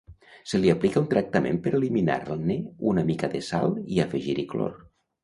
Se li aplica un tractament per eliminar-ne una mica de sal i afegir-hi clor.